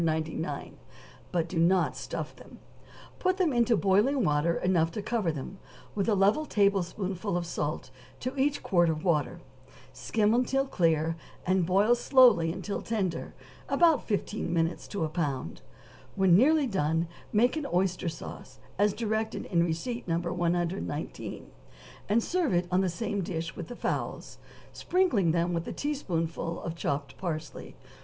99, but do not stuff them; put them into boiling water enough to cover them, with a level tablespoonful of salt to each quart of water; skim until clear, and boil slowly until tender, about fifteen minutes to a pound; when nearly done, make an oyster sauce, as directed in receipt No. 119, and serve it on the same dish with the fowls, sprinkling them with a teaspoonful of chopped parsley.